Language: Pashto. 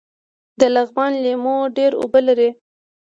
د لغمان لیمو ډیر اوبه لري